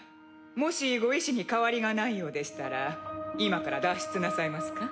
もしご意志に変わりがないようでしたら今から脱出なさいますか？